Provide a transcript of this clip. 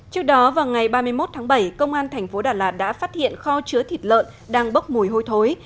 trước đó vào ngày ba mươi một tháng bảy công an thành phố đà lạt đã phát hiện kho chứa thịt lợn đang bốc mùi hôi thối